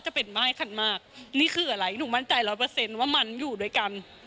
จะเป็นมาให้ขันมากนี่คืออะไรหนูมั่นใจ๑๐๐ว่ามันอยู่ด้วยกัน